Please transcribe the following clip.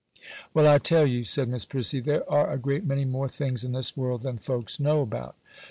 'Well, I tell you,' said Miss Prissy, 'there are a great many more things in this world than folks know about.